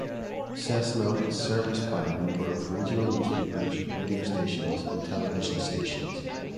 Cessnock is serviced by a number of regional newspapers, radio stations and television stations.